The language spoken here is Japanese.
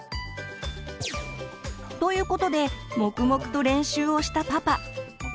ということで黙々と練習をしたパパ。